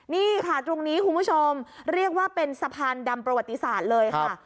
นี่ค่ะตรงนี้คุณผู้ชมเรียกว่าเป็นสะพานดำประวัติศาสตร์เลยค่ะ